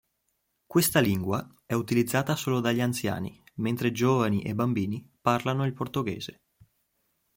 Questa lingua è utilizzata solo dagli anziani mentre giovani e bambini parlano il portoghese.